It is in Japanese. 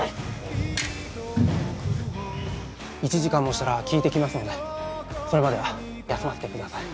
１時間もしたら効いてきますので、それまでは、休ませてください。